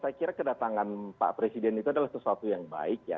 saya kira kedatangan pak presiden itu adalah sesuatu yang baik ya